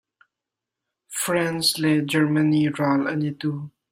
France le Germany ral an i tu.